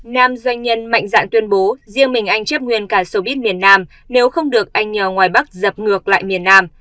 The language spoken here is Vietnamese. nam doanh nhân mạnh dạng tuyên bố riêng mình anh chếp nguyên cả showbiz miền nam nếu không được anh nhờ ngoài bắc dập ngược lại miền nam